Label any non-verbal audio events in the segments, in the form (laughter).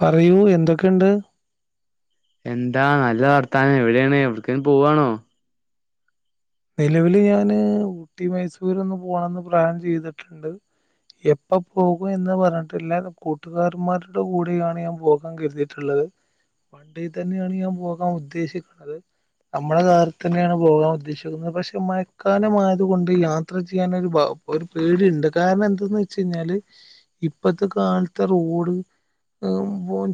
പറയൂ എന്തൊക്കെണ്ട് എന്താ നല്ല വർത്താനം എവിടെയാണ് എവിട്ക്കേം പോവാണോ? നിലവില് ഞാന് ഊട്ടി മൈസൂര് ഒന്ന് പോണംന്ന് പ്ലാൻ ചെയ്തിട്ടുണ്ട് എപ്പ പോകും എന്ന് പറഞ്ഞിട്ടില്ല കൂട്ടുകാരന്മാരുടെ കൂടെയാണ് ഞാൻ പോകാൻ കരുതിയിട്ടുള്ളത് ത് വണ്ടിയിൽ തന്നെയാണ് ഞാൻ പോകാൻ ഉദ്ദേശിക്ക്ന്നത് നമ്മുടെ കാറിതന്നെയാണ് പോകാൻ ഉദ്ദേശിക്കുന്നത് പക്ഷെ മഴക്കാലമായതുകൊണ്ട് യാത്ര ചെയ്യാൻ ഒരു ഒരു പേടിണ്ട് കാരണം എന്താെന്ന് വെച്ചാ ഞ്ഞാല് ഇപ്പത്തെ കാലത്തെ റോഡ്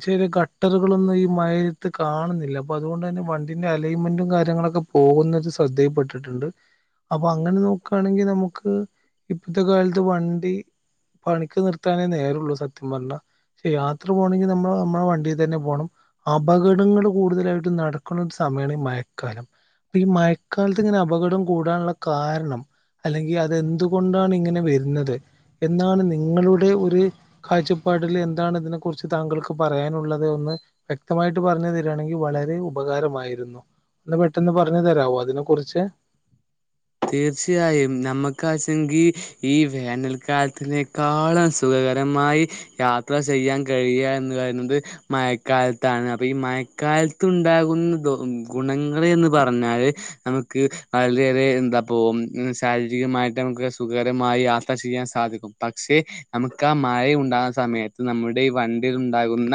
ചെറിയ ഗട്ടറുകളൊന്നും ഈ മയത്ത് കാണുന്നില്ല അപ്പൊ അതുകൊണ്ട് തന്നെ വണ്ടിന്റെ അലയും മെന്റും കാര്യങ്ങളൊക്കെ പോകുന്നത് ശ്രദ്ധയിൽപ്പെ ട്ടിട്ട്ണ്ട് അപ്പൊ അങ്ങനെ നോക്കാണെങ്കിൽ നമുക്ക് ഇപ്പത്തെ കാലത്ത് വണ്ടി പണിക്ക് നിർത്താനേ നേരള്ളൂ സത്യം പറഞ്ഞ പക്ഷെ യാത്ര പോകണങ്കിൽ നമ്മൾ നമ്മുടെ വണ്ടിയിൽ തന്നെ പോകണം അപകടങ്ങൾ കൂടുതലായിട്ടും നടക്കുന്ന സമയാണ്ഈ മഴക്കാലം അപ്പൊ ഈ മഴക്കാലത്ത് ഇങ്ങനെ അപകടം കൂടാനുള്ള കാരണം അല്ലെങ്കി അതെന്തുകൊണ്ടാണ് ഇങ്ങനെ വരുന്നത് എന്താണ് നിങ്ങളുടെ ഒരു കാഴ്ചപ്പാടിൽ എന്താണ് ഇതിനെ കുുറിച്ച് താങ്കൾക്ക് പറയാനുള്ളത് ഒന്ന് വ്യക്തമായിട്ട് പറഞ്ഞു തരിയാണെങ്കിൽ വളരെ ഉപകാരമായിരുന്നു ഒന്ന് പെട്ടെന്ന് പറഞ്ഞ് തരാവോ അതിനെ കുറിച്ച് തീർച്ചയായും നമ്മക്കാച്ചെങ്കിൽ ഈ വേനൽക്കാലത്തിനേക്കാളും സുഖ രമായി യാത്ര ചെയ്യാൻ കഴിയുക എന്ന് പറയുന്നത് മയക്കാലത്താണ്, അപ്പ ഈ മയക് കാലത്ത് ഉണ്ടാകുന്ന ദോ ഗുണങ്ങ എന്ന് പറഞ്ഞാല് നമുക്ക് വളരെയേറെ എന്താ അപ്പോ മ് ശാരീരികമായിട്ട് നമുക്ക് സുഖകരമായി യാത്ര ചെയ്യാൻ സാധിക്കും, പക്ഷേ നമുക്ക് ആ മഴ ഉണ്ടാകുന്ന സമയത്ത് നമ്മുടെ ഈ വണ്ടിൽ ഉണ്ടാകുന്ന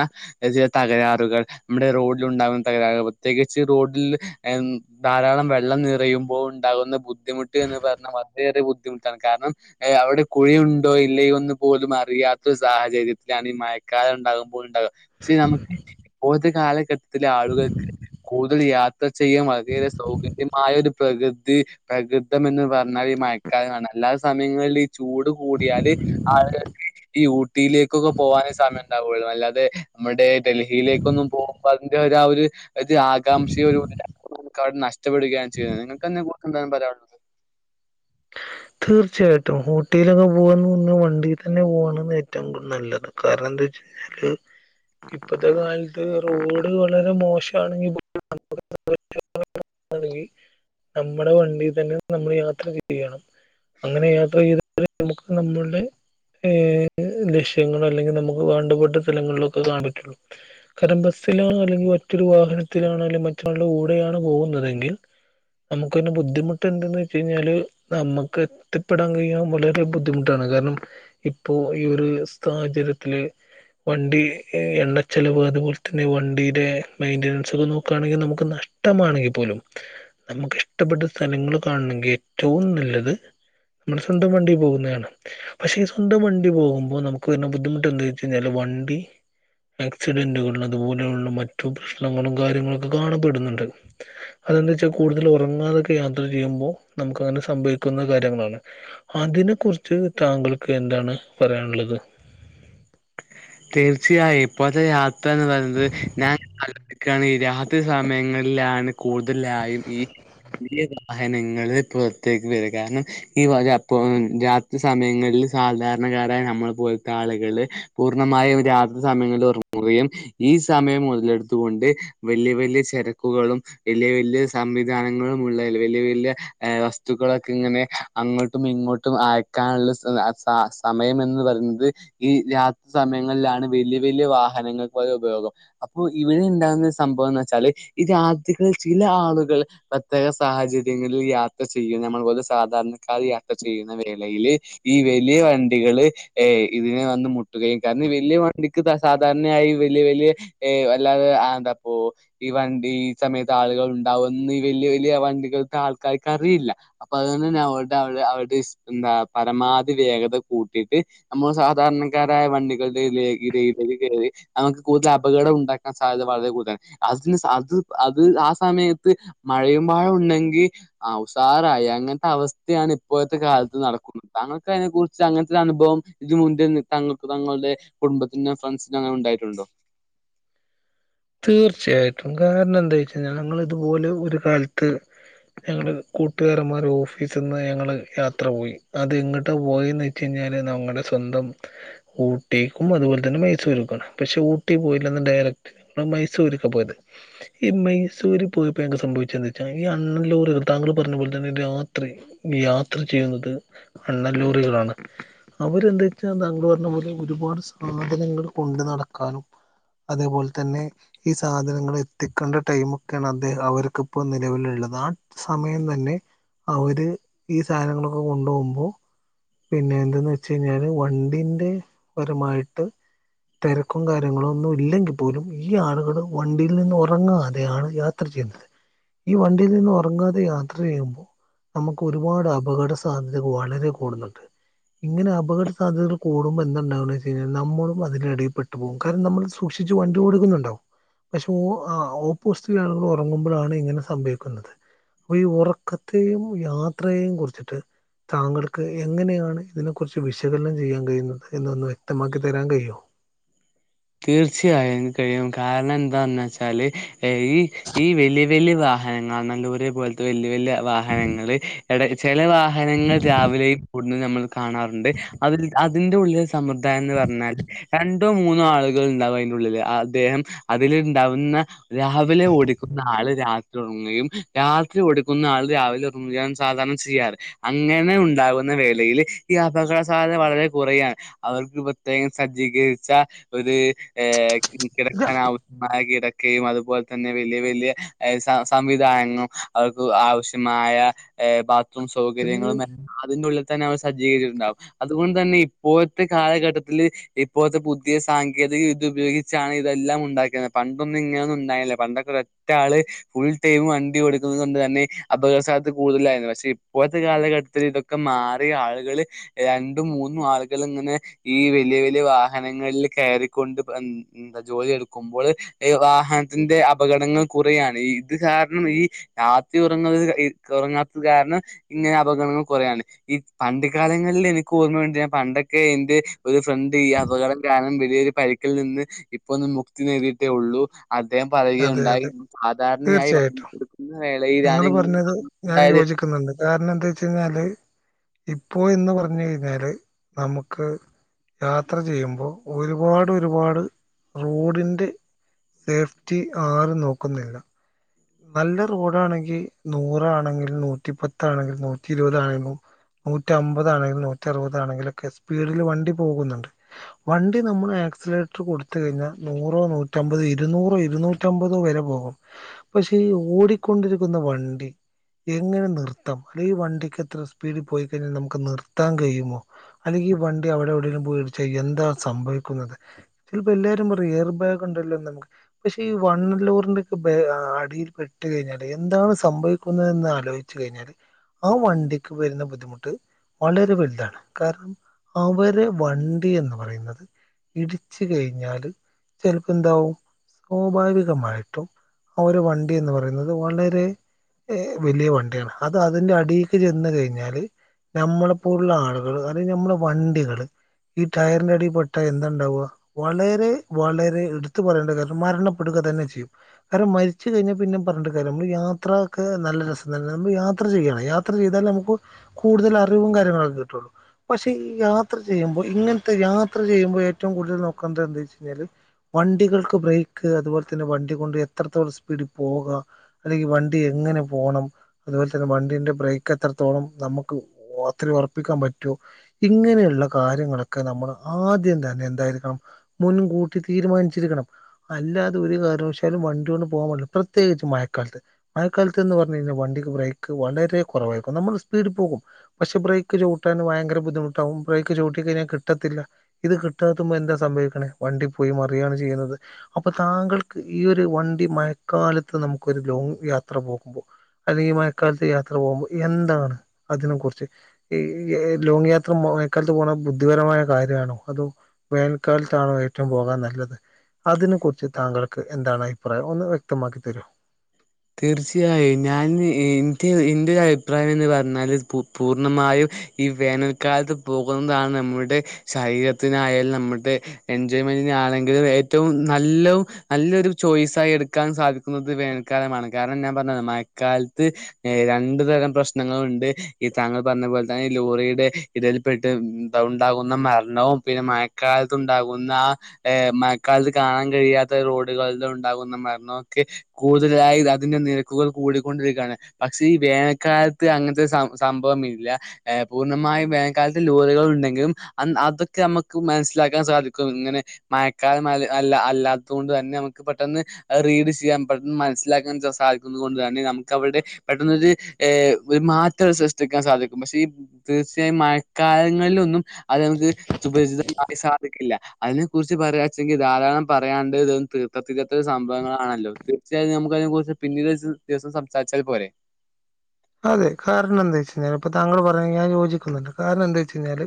ചില തകരാറുകൾ നമ്മുടെ റോഡിലു ഉണ്ടാകുന്ന തകരാറുകൾ പ്രത്യേകിച്ച് റോഡിൽ എം ധാരാളം വെള്ളം നിറയുമ്പോൾ ഉണ്ടാകുന്ന ബുദ് ബുദ്ധിമുട്ട് എന്ന് പറഞ്ഞാൽ വളരെയേറെ ബുദ്ധിമുട്ടാണ്, കാരണം ഏ അവിടെ കുഴിയുണ്ടോ ഇല്ലേ ഒന്ന് പോലും അറിയാ (unintelligible) സാഹചര്യത്തിലാണ് ഈ മഴക്കാലം ഉണ്ടാകുമ്പോൾ ഉണ്ടാക, പക്ഷേ നമുക്ക് ഇപ്പോഴത്തെ കാലഘട്ടത്തില ആളുകൾക്ക് കൂടുതൽ യാത്ര ചെയ്യാൻ വളരെയേറെ സൗകര്യമായ ഒരു പ്രകൃതി പ്രകൃതം എന്ന് പറഞ്ഞാൽ ഈ മയക്കാലമാണ് അല്ലാ സമയങ്ങളിൽ ഈ ചൂട് കൂടിയാല് (unintelligible) ഈ ഊട്ടിയിലേക്കൊക്കെ പോകാനെ സമയം ഉണ്ടാവുള്ളൂ, അല്ലാതെ നമ്മുടെ ഡൽഹിയിലേക്കൊന്നും പോകുമ്പോ അതിന്റെ (unintelligible) ആ ഒരു ഇത് ആകാംക്ഷ (unintelligible) നഷ്ടപ്പെടുകയാണ് ചെയ്യുന്നത് നിങ്ങൾക്ക് (unintelligible) എന്താണ് പറയാനുള്ളത്? തീർച്ചയായിട്ടും ഊട്ടിയിലൊക്കെ പോകന്ന് പറഞ്ഞാൽ വണ്ടിൽ തന്നെ പോകാനാണ് ഏറ്റവും കൂടുതൽ നല്ലത്, കാരണം (unintelligible) ഇപ്പത്തെ കാലത്ത് റോഡ് വളരെ മോശാണെങ്കിൽ (unintelligible) (inaudible) (unintelligible) നമ്മടെ വണ്ടി തന്നെ നമ്മൾ യാത്ര ചെയ്യണം. അങ്ങനെ യാത്ര ചെയ്താല് നമുക്ക് നമ്മൾടെ ഏ ലക്ഷ്യങ്ങളല്ലെങ്കിൽ നമുക്ക് വേണ്ടപ്പെട്ട സ്ഥലങ്ങളിലൊക്കെ കാണ പറ്റുള്ളൂ, (unintelligible) സിലാണോ അല്ലെങ്കിൽ മറ്റൊരു വാഹനത്തിലാണോ അല്ലെ മറ്റൊരാളുടെ കൂടെയാണ് പോകുന്നതെങ്കിൽ നമുക്ക് തന്നെ ബുദ്ധിമുട്ട് എന്തന്ന് വെച്ച് കഴിഞ്ഞാല് നമ്മ ക്ക എത്തിപ്പെടാൻ കഴിയാൻ വളരെ ബുദ്ധിമുട്ടാണ്, കാരണം ഇപ്പോ ഈ ഒരു സാഹചര്യത്തില് വണ്ടി എണ്ണച്ചെലവ് അതുപോലെ തന്നെ വണ്ടിടെ മെയിന്റനൻസ് ഒക്കെ നോക്കയാണെങ്കിൽ നമുക്ക് നഷ് ഇഷ്ടമാണെങ്കിൽ പോലും നമുക്കിഷ്ടപ്പെട്ട സ്ഥലങ്ങള് കാണണങ്കി ഏറ്റവും നല്ലത് അ നമ്മുടെ സ്വന്തം വണ്ടി പോകുന്നയാണ്, പഷേ ഈ സ്വന്തം വണ്ടി പോകുമ്പോ നമുക്ക്ന്നെ ബുദ്ധിമുട്ട് എന്താ വെച്ച് കഴിഞ്ഞാല് വണ് ന്തി ആക്സിഡന്റുകള് അതുപോലെയുള്ള മറ്റു പ്രശ്നങ്ങളും കാര്യങ്ങളൊക്കെ കാണപ്പെടുന്നുണ്ട്. അത് എന്താ വെച്ച കൂടുതൽ ഒറാങ്ങാതൊക്കെ യാത്ര ചെയ്യുമ്പോ നമുക്ക് അങ്ങനെ സംഭവി ക്കുന്ന കാര്യങ്ങളാണ് അതിനെ കുുറിച്ച് താങ്കൾക്ക് എന്താണ് പറയാനുള്ളത് (inaudible) തീർച്ചയായും ഇപ്പോഴത്തെ യാത്ര എന്ന് പറയുന്നത് ഞാൻോിക്കാണ് ഈ രാത്രി സമയങ്ങളിലാണ് കൂടുതലായും ഈ വലിയ വാഹനങ്ങ പുറത്തേക്ക് വരും കാരണം ഈപ്പോ രാത്രി സമയങ്ങളിൽ സാധാരണക്കാരായ നമ്മള് പോലത്തെ ആളുകള് പൂർണ്ണമായും രാത്രി സമയങ്ങളിൽ റങ്ങുകയും ഈ സമയം മുതലെടുത്തുകൊണ്ട് വലിയ വലിയ തിരക്കുകളും വലിയ വലിയ സംവിധാനങ്ങളും ഉള്ളതി വലിയ വലിയ വസ്തുക്കളൊക്കെ ഇങ്ങനെ അങ്ങോട്ടും ഇങ്ങോട്ടും അയക്കാനുള്ള സ സമയം എന്ന് പറയുന്നത് ഈ രാത് സമയങ്ങളിലാണ് വലിയ വല്ിയ വാഹനങ്ങൾക്ക് വ ഉപയോഗം അപ്പൊ ഇവിടെ ഉണ്ടാകുന്ന സംഭവം വെച്ചാല് ഈ രാതികിൽ ചില ആളുകൾ പ്രത്യേക സാഹചര്യങ്ങളിൽ യാത്ര ചെയ്യും നമ്മൾ പോലെ സാധാരണ ക്കാ യാത്ര ചെയ്യുന്ന വേളയില് ഈ വലിയ വണ്ടികള് ഇതിനെ വന്ന് കട്ടുകയും കാരണം വലിയ വണ്ടിക്ക് സാധാരണയായി വലിയ വലിയ അല്ലാതെ എന്താ ഈ വണ്ടി ഈ സമയത്ത് ആളുകൾ ഉണ്ടാവുംന്ന് വലിയ വലിയ വണ്ടികൾക്ക് ആൾക്കാർക്ക് അറിയില്ല അപ്പൊ അത അവടെ എന്താ പരമാവധി വേഗത കൂട്ടിയിട്ട് നമ്മ സാധാരണ ക്കാരായ വണ്ടികളുടെയിലേക്ക് കയറി നമുക്ക് കൂടുതൽ അപകടം ഉണ്ടാക്കാൻ സാധ്യത വളരെ കൂടുതാണ് അത് അത് ആ സമയത്ത് മഴയും പാഴം ഉണ്ടെങ്കിൽ അവസാറങ്ങ അങ്ങനത്തെ അവസ്ഥയാണ് ഇപ്പോഴത്തെ കാലത്ത് നടക്കുന്നത് താങ്കൾക്ക് അതിനെ കുുറിച്ച് അങ്ങനത്തെ ഒരു അനുഭവം ഇത് മുൻ നി തങ്കൾക്ക് തങ്ങളുടെ കുടുംബത്തിനും ഫ്രണ്ട്സിനോ അങ്ങെ ഉണ്ടായിട്ടുണ്ടോ തീർച്ചയായിട്ടും കാരണം എന്താ വെച്ച കഴിഞ്ഞാൽ ഞങ്ങൾ ഇതുപോലെ ഒരു കാലത്ത് ഞങ്ങള്ൾ കൂട്ടുകാരന്മാർ ഓഫീസിൽ നിന്ന് ഞങ്ങള് യാത്ര പോയി അത് എങ്ങോട്ട് പോയെന്ന് വെച്ച കഴിഞ്ഞ നമ്മുടെ സ്വന്തം ഊട്ടിക്കും അതുപോലെ തന്നെ മൈസൂർക്കും പക്ഷെ ഊട്ടി പോയില്ലുണ്ട ക് മൈസൂരൊക്കെ പോയത് ഈ മൈസൂര് പോയപ്പോ ഞങ്ങൾക്ക് സംഭവിച്ചെന്ന് വെച്ചാൽ ഈ അണ്ണൻ ലോറികള് താങ്കളും പറഞ്ഞ പോലെ തന്നെ രാത്രി യാത്ര ചെയ്യുന്നത് അണ്ണൻ ലോറികളാണ് അവര് എന്ന് വെച്ചാൽ താങ്കൾ പറഞ്ഞ പോലെ ഒരുപാട് സാധനങ്ങൾ കൊണ്ട് നടക്കാനും അതേപോലെ തന്നെ ഈ സാധനങ്ങൾ എത്തിക്കേണ്ട ടൈമ്ക്ക് ഒക്കെയാണ് അദ്ദേഹം അവർക്കിപ്പോ നിലവിലുള്ളത് ആ സമയം തന്നെ അവര് ഈ സാധനങ്ങളൊക്കെ കൊണ്ടുപോകുമ്പോൾ പിന്നെ എന്തെന്ന് വെച്ച് കഴിഞ്ഞാല് വണ്ടിന്റെ പരമായിട്ട് തിരക്കും കാര്യങ്ങളും ഒന്നും ഇല്ലെങ്കിൽ പോലും ഈ ആളുകള് വണ്ടിയിൽ നിന്ന് ഉറങ്ങാതെയാണ് യാത്ര ചെയ്യുന്നത് ഈ വണ്ടിയിൽ നിന്ന് ഉറങ്ങാതെ യാത്ര ചെയ്യുമ്പോ നമുക്ക് ഒരുപാട് അപകട സാധ്യതകള് വളരെ കൂടുന്നുണ്ട് ഇങ്ങനെ അപകട സാധ്യതകൾ കൂടുമ്പോ എന്താ ഇണ്ടാവുന്നെ വെച്ച് കഴിഞ്ഞാൽ നമ്മളും അതിന് അടിയില് പ്പെട്ടു പോകും കാരണം നമ്മൾ സൂക്ഷിച്ചു വണ്ടി ടുക്കുന്നുണ്ടാവും പക്ഷെ ഓ ആഹ് ഓപ്പോസിറ്റ് ഉള്ള ആളുകൾ ഉറങ്ങുമ്പോഴാണ് ഇങ്ങനെ സംഭവിക്കുന്നത് അപ്പൊ ഈ ഉറക്കത്തെയും യാത്രയേയും കുറിച്ചിട്ട് താങ്കൾക്ക് എങ്ങനെയാണ് ഇതിനെ കുറിച്ച് വിശകലനം ചെയ്യാൻ കഴിയുന്നത് എന്നൊന്ന് വ്യക്തമാക്കി തരാൻ കഴിയോ (inaudible) തീർച്ചയായും എനിക്ക് കഴിയും കാരണം എന്താന്ന് വെച്ചാല് ഈ ഈ വലിയ വലിയ വാഹനങ്ങൾ നല്ലൂരി പോലത്തെ വലിയ വല്യ വാഹനങ്ങള് ഇടെ ചില വാഹനങ്ങൾ രാവിലെയും കൂ നമ്മൾ കാണാറുണ്ട് അതിൽ അതിൻ്റെ ഉള്ളിലെ സാമ്പ്രദായം എന്ന് പറഞ്ഞാൽ രണ്ടോ മൂന്നോ ആളുകൾ ണ്ടാകും അതിൻ്റെ ഉള്ളില് അദ്ദേഹം അതിൽ ഉണ്ടാവുന്ന രാവിലെ ഓടിക്കുന്ന ആള് രാത്രി ഉറങ്ങും രാത്രി ഓടിക്കുന്ന ആൾ രാവിലെ ഒറങ്ങുകയും ആണ് സാധാരണ ചെയ്യാറ് അങ്ങനെ ഉണ്ടാകുന്ന വേ ളയിൽ ഈ അപകട സാധ്യത വളരെ കുറയാണ് അവർക്ക് പ്രത്യേകം സജ്ജീകരിച്ച ഒരു ഏഹ് കിടക്കാൻ കഴിയുമോ ആവശ്യമായ കിടക്ക ക്കയും അതുപോലെ തന്നെ വലിയ വലിയ സം സംവിധാനങ്ങളും അതുപോലെ തന്നെ അവർക്ക് ആവശ്യമായ ഏഹ് ബാത്റൂം സൗകര്യങ്ങളും എല്ലാം അതിൻ്റെ ഉള്ളിൽ തന്നെ അവർ സജ്ജീകരിച്ചിട്ടുണ്ടാകും അതുകൊണ്ട് തന്നെ ഇപ്പോഴത്തെ കാലഘട്ടത്തില് ഇപ്പോഴത്തെ പുതി പുതിയ സാങ്കേതിക വിദ്യ ഉപയോഗിച്ചാണ് ഇതെല്ലാം ഉണ്ടാക്കുന്നത് പണ്ടൊന്നും ഇങ്ങനൊന്നും ഉണ്ടായില്ലേ പണ്ടൊക്കെ ഒ ഒറ്റ ആള് ഫുൾ ടൈം വണ്ടി ഓടിക്കുന്നത് കൊണ്ട് തന്നെ അപകട സാധ്യതാ കൂടുതലായിരുന്നു പക്ഷെ ഇപ്പോഴത്തെ കാലഘട്ടത്തിൽ ഇതൊ ക്കെ മാറി ആളുകൾ രണ്ടും മൂന്നും ആളുകൾ ഇങ്ങനെ ഈ വലിയ വലിയ വാഹന ങ്ങളിൽ കയറിക്കൊണ്ട് എന്താ ജോലി എടുക്കുമ്പോള് വാഹനത്തിന്റെ അപകടങ്ങൾ കൂ ടുകയാണ് ഇത് കാരണം ഈ രാത്രി ഉറങ്ങ ഉറങ്ങാത്തത് കാരണം ഇങ്ങനെ അപകടങ്ങൾ കൊറയാണ് ഈ പണ്ട് കാലങ്ങളിൽ എനിക്ക് ഓർമ്മയുണ്ട് ഞാൻ പണ്ടൊക്കെ എന്റെ ഒരു ഫ്രണ്ട് ഈ അപകടം കാരണം വലിയൊരു പരിക്കിൽ നിന്ന് ഇപ്പൊ ഒന്ന് മുക്തി നേടിയിട്ടേ ഉള്ളൂ അദ്ദേഹം അതെ പറയുകയുണ്ടായി അതെ സാധാരണയായി വണ്ടി തീർച്ചയായിട്ടും എടുക്കുന്ന വേളയിലാണ് ഇങ്ങനെ (unintelligible) ഉണ്ടായത് ദ്ധിക്ക്ന്ന്ണ്ട് കാരണം എന്താ വെച്ച് കഴിഞ്ഞാല് ഇപ്പോ എന്ന് പറഞ്ഞു കഴിഞ്ഞാല് നമുക്ക് യാത്ര ചെയ്യുമ്പോൾ ഒരുപാട് ഒരുപാട് റോഡിൻ്റെ സേഫ് റ്റി ആരും നോക്കുന്നില്ല നല്ല റോഡാണെങ്കി നൂറാണെങ്കിൽ നൂറ്റി പത്താണെങ്കിലും നൂറ്റി ഇരുപതാണെങ്കിലും നു നൂറ്റ് അമ്പതാണെങ്കിലും നൂറ്റ് അറുപതാണെങ്കിലുമൊക്കെ സ്പീഡില് വണ്ടി പോകുന്നുണ്ട് വണ്ടി നമ്മൾ ആക്സിലേറ്റർ കൊടുത്ത് കഴിഞ്ഞാൽ നൂറോ നൂറ്റമ്പതോ ഇരുന്നൂറോ ഇരുന്നൂറ്റമ്പതോ വരെ പോകും പക്ഷെ ഈ ഓടിക്കൊണ്ടിരിക്കുന്ന വണ്ടി എങ്ങനെ നിർത്താം അല്ലെ ഈ വണ്ടിക്ക് എത്ര സ്പീഡിൽ പോയി കഴിഞ്ഞാൽ നമുക്ക് നിർത്താൻ കഴിയുമോ അല്ലെങ്കിൽ ഈ വണ്ടി അവിടെ എവിടെയേലും പോയിടിച്ചാ എന്താ സംഭവിക്കുന്നത് ചിലപ്പോ എല്ലാരും പറയും എയർ ബാഗ് ഉണ്ടല്ലോ (unintelligible) പക്ഷെ ഈ വണ്ണ ലോറിന്റെക്കെ ബേ അ ടിയിൽ പെട്ട് കഴിഞ്ഞാല് എന്താണ് സംഭവിക്കുന്നെതന്ന് ആലോചിച്ചു കഴിഞ്ഞാല് ആ വണ്ടിക്ക് വരുന്ന ബുദ്ധിമുട്ട് വളരെ വലുതാണ് കാരണം അവരെ വണ്ടി എന്ന് പറയുന്നത് ഇടിച്ച് കഴിഞ്ഞാല് ചിലപ്പ എന്താവും സ്വാഭാവികികമായിട്ടും ആ ഒരു വണ്ടി എന്ന് പറയുന്നത് വളരെ ഏ വലിയ വണ്ടിയാണ് അത് അതിന്റെ അടീക്ക് ചെന്ന് കഴിഞ്ഞാല് നമ്മളെ പോലുള്ള ആളുകള് അല്ലെ നമ്മുടെ വണ്ടികള് ഈ ടയറിന്റെ അടിയിൽപ്പെട്ടാ എന്താണ്ടാവ വളരെ വളരെ എടുത്തു പറയേണ്ട കാരണം മരണപ്പെടുക തന്നെ ചെയും. കാരണം മരിച്ച് കഴിഞ്ഞാൽ പിന്നെ പറഞ്ഞിട്ട് കാര്യല്ല. നമ്മള് യാത്ര ഒക്കെ നല്ല രസം തന്നെ. നമ്മള് യാത്ര ചെയ്യണം യാത്ര ചെയ്താൽ നമുക്ക് കൂടുതൽ അറിവും കാര്യങ്ങളൊക്കെ കിട്ടുള്ളൂ പക്ഷെ ഈ യാത്ര ചെയ്യുമ്പൊ ഇങ്ങനത്തെ യാത്ര ചെയ്യുമ്പൊ ഏറ്റവും കൂടുതൽ നോക്കന്ത് എന്ത് വെച്ച കഴിഞ്ഞാല് വണ്ടികൾക്ക് ബ്രേക്ക് അതുപോലെന്നെ വണ്ടി കൊണ്ട് എത്രത്തോളം സ് പീഡിൽ പോകാ അല്ലെങ്കിൽ വണ്ടി എങ്ങനെ പോണം അതുപോലെ തന്നെ വണ്ടിന്റെ ബ്രേക്ക് എത്രത്തോളം നമുക്ക് അത്ര ഉറപ്പിക്കാൻ പറ്റുമോ ഇങ്ങനെയുള്ള കാര്യങ്ങളൊക്കെ നമ്മൾ ആദ്യം തന്നെ എന്തായിരിക്കണം മുൻകൂട്ടി തീരുമാനിച്ചിരിക്കണം അല്ലാതെ ഒരു കാരണവശാലും വണ്ടി കൊണ്ട് പോവാൻ പാട്ല. പ്രത്യേകിച്ച് മഴക്കാലത്ത് മഴക്കാലത്ത് എന്ന് പറഞ്ഞു കഴിഞ്ഞാൽ വണ്ടിക്ക് ബ്രേക്ക് വളരെ കുറവായിരിക്കും നമ്മൾ സ് പീഡ്ൽ പോകും പക്ഷെ ബ്രേക്ക് ചവ്ട്ടാൻ ഭയങ്കര ബുദ്ധിമുട്ടാവും ബ്രേക്ക് ചവ്ട്ടി കഴിഞ്ഞാൽ കിട്ടത്തില്ല ഇത് കി ട്ടാത്തുമ്പോ എന്താ സംഭവിക്കണേ വണ്ടി പോയി മറിയാണ് ചെയ്യുന്നത് അപ്പൊ താങ്കൾക്ക് ഈ ഒരു വ ണ്ടി മഴക്കാലത്ത് നമുക്കൊരു ലോങ് യാത്ര പോകുമ്പോൾ അല്ലെങ്കിൽ ഈ മഴക്കാലത്ത് യാത്ര പോകുമ്പോൾ എന്താണ് അതിനെ കുറിച്ച് ഈ ലോങ് യാത്ര മയക്കാലത്ത് പോകണ ബുദ്ധിപരമായ കാര്യമാണോ അതോ വേനൽക്കാലത്താണോ ഏറ്റവും പോകാൻ നല്ലത് അതിനെ കുറിച്ച് താങ്കൾക്ക് എന്താണ് അഭിപ്രായം ഒന്ന് വ്യക്തമാക്കി തരോ തീർച്ചയായും ഞാൻ ഇന്റെ ഇന്റെ ഒരു അഭിപ്രായംന്ന് പറഞ്ഞാല് പൂർണ്ണമായും ഈ വേനൽക്കാലത്ത് പോകുന്നതാണ് നമ്മളുടെ ശരീരത്തിനായാലും നമ്മുടെ എൻജോയ്മെ ൻ്റിന് ആണെങ്കിലും ഏറ്റവും നല്ലവും നല്ലൊരു ചോയ്സായി എടുക്കാനും സാധിക്കുന്നത് വേനൽ ക്കാലമാണ് കാരണം ഞാൻ പറഞ്ഞത് മഴക്കാലത്ത് രണ്ടു തരം പ്രശ്നങ്ങള് ഉണ്ട് ഈ താങ്കൾ പറഞ്ഞ അതുപോലെ തന്നെ ലോറിയുടെ ഇടയിൽ പെട്ട് ഉണ്ടാകുന്ന മരണവും പിന്നെ മഴക്കാലത്ത് ഉണ്ടാകു ന്ന ആ (unintelligible) മഴക്കാലത്ത് കാണാൻ കഴിയാത്ത റോഡുകളിൽ ഉണ്ടാകുന്ന മരണമൊക്കെ കൂടുതലായി അതിന്റെ നിരക്കുകൾ കൂടിക്കൊണ്ടിരിക്കുകയാണ് പക്ഷേ ഈ വേനൽക്കാലത്ത് അങ്ങനത്തെ സം സംഭവം മില്ല. പൂർണമായും വേനൽകാലത്ത് ലോറികൾ ഉണ്ടെങ്കിലും അതൊക്കെ നമുക്ക് മനസ്സിലാക്കാൻ സാ ധിക്കും ഇങ്ങനെ മയക്കാലമായാൽ അല്ലാ അല്ലാത്തോണ്ട് തന്നെ നമുക്ക് പെട്ടെന്ന് റീഡ് ചെയ്യാൻ പെട്ടന്ന് മനസ്സിലാക്കാൻ സാധിക്കുന്ന കൊണ്ട് തന്നെ നമുക്ക് അവരുടെ പെട്ടെന്നൊരു മാറ്റം സൃഷ്ടിക്ക ക്കാൻ സാധിക്കും പക്ഷെ ഈ തീർച്ചയായും മയക്കാലങ്ങളിലൊന്നും അത് നമുക്ക് സുപരിചിതമായി സു ക്കില്ല അതിനെ കുറിച്ച് പറയാച്ചെങ്കിൽ ധാരാളം പറയനിണ്ട് ഇതൊന്നും തീർത്തതീരാത്ത സംഭവങ്ങളാണല്ലോ തീർച്ചയായും ഞമുക്ക് അതിനെ കുറിച്ച് പിന്നീട് ഒരൂസം ദിവസം സംസാരിച്ചാൽ പോരെ അതെ കാരണം എന്താ വെച്ച് കഴിഞ്ഞാൽ ഇപ്പൊ താങ്കൾ പറഞ്ഞ ഞാൻ യോജിക്കുന്നുണ്ട് കാരണം എന്താ വെച്ച് കഴിഞ്ഞാല്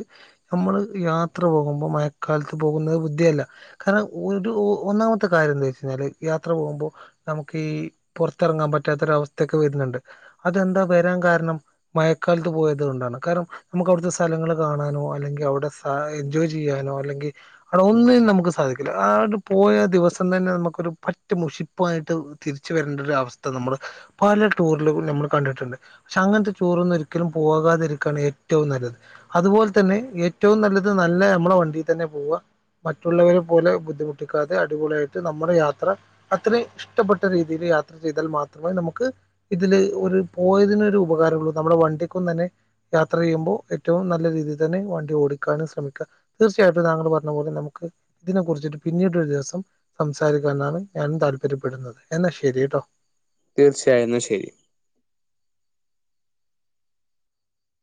നമ്മള് യാത്ര പോകുമ്പോൾ മഴക്കാലത്ത് പോകുന്നത് ബുദ്ധിയല്ല കാരണം ഒരു ഒന്നാമത്തെ കാര്യംന്താ വെച്ചഴി ഞ്ഞാല് യാത്ര പോകുമ്പോ നമുക്ക് ഈ പുറത്തിറങ്ങാൻ പറ്റാത്തൊര് അവസ്ഥയൊക്കെ വരുന്നുണ്ട് അതെന്താ വരാൻ കാരണം മയക്കാലത്ത് പോയത് കൊണ്ടാണ് കാരണം നമുക്ക് അവിടുത്തെ സ്ഥലങ്ങള് കാണാനോ അല്ലെങ്കി അവിടെ സാ എൻജോയ് ചെയ്യാനോ അല്ലെങ്കിൽ അവിടൊന്നിനും നമുക്ക് സാധിക്കില്ല ആട് പോയ ദിവസം തന്നെ ന്നെ നമുക്കൊരു പറ്റ മുഷിപ്പായിട്ട് തിരിച്ച വരേണ്ട ഒരു അവസ്ഥ നമ്മള് പല ടൂറിലും നമ്മള് കണ്ടിട്ടെണ്ട് പക്ഷെ അങ്ങനത്തെ ടൂറൊന്നും ഒരിക്കലും പോകാതിരിക്കയാണ് ഏറ്റവും നല്ലത് അതുപോലെ തന്നെ ഏ റ്റവും നല്ലത് നല്ല നമ്മളെ വണ്ടിയിൽ തന്നെ പോവുക മറ്റുള്ളവരെ പോലെ ബുദ്ധിമുട്ടിക്കാതെ അടിപൊളിയായിട്ട് നമ്മുടെ യാത്ര അത്രേം ഇഷ്ടപ്പെട്ട രീതിയില് യാത്ര ചെയ്താൽ മാത്രമേ നമുക്ക് ഇതില് ഒരു പോയതിനൊരു ഉപകാരമുള്ളൂ നമ്മുടെ വണ്ടിക്കും തന്നെ യാത്ര ചെയ്യുമ്പോ ഏറ്റവും നല്ല രീതിയിൽ തന്നെ വണ്ടി ഓടി ക്കാനും ശ്രമിക്ക തീർച്ചയായിട്ടും താങ്കൾ പറഞ്ഞ പോലെ നമുക്ക് ഇതിനെ കുറിച്ചിട്ട് പിന്നീട് ഒരു ദിവസം സംസാരി ക്കാനാണ് ഞാനും താല്പര്യപ്പെടുന്നത് എന്നാ ശരിട്ടോ തീർച്ചയായും എന്നശരി